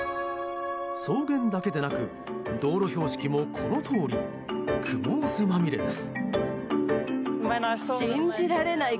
草原だけでなく道路標識も、このとおりクモの巣まみれです。